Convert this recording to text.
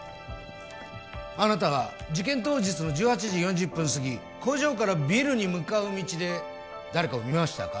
あなたが事件当日の１８時４０分すぎ工場からビルに向かう道で誰かを見ましたか？